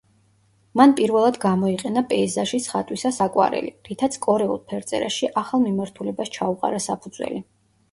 მან პირველად გამოიყენა პეიზაჟის ხატვისას აკვარელი, რითაც კორეულ ფერწერაში ახალ მიმართულებას ჩაუყარა საფუძველი.